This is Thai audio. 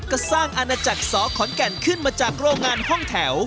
ก็สร้างอาณาจักรสอขอนแก่นขึ้นมาจากโรงงานห้องแถว